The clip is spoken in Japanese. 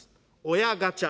親ガチャ。